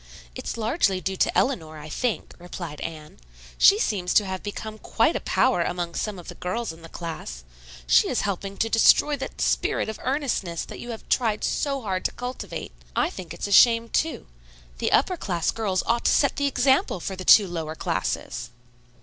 "It's largely due to Eleanor, I think," replied Anne. "She seems to have become quite a power among some of the girls in the class. She is helping to destroy that spirit of earnestness that you have tried so hard to cultivate. I think it's a shame, too. The upper class girls ought to set the example for the two lower classes."